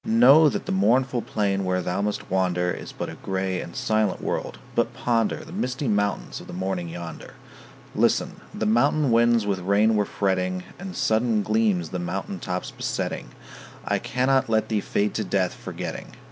Know that the mournful plain where thou must wander Is but a gray and silent world, but ponder The misty mountains of the morning yonder. Listen: the mountain winds with rain were fretting, And sudden gleams the mountain tops besetting. I cannot let thee fade to death, forgetting.